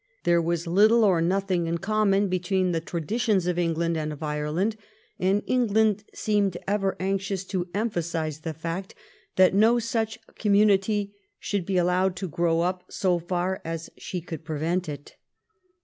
There was little or nothing in common between the traditions of England and of Ireland and England seemed ever anxious to emphasise the fact that no such community should be allowed to grow up, so far as she could prevent it.